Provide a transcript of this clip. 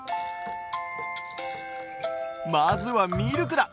まずはミルクだ！